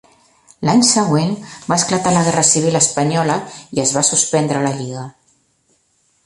L'any següent va esclatar la Guerra Civil espanyola i es va suspendre la lliga.